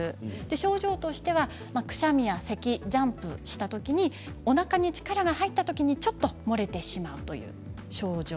症状としてはくしゃみや、せきジャンプしたときおなかに力が入ったときにちょっと漏れてしまうという症状。